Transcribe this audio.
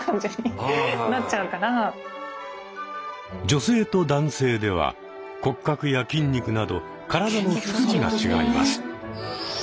女性と男性では骨格や筋肉など体のつくりが違います。